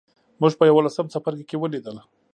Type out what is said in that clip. موږ په یوولسم څپرکي کې ولیدل.